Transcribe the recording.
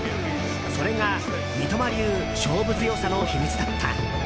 それが、三笘流勝負強さの秘密だった。